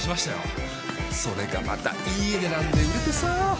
それがまたいい値段で売れてさ。